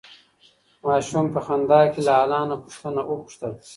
ماشوم په خندا کې له انا نه وپوښتل.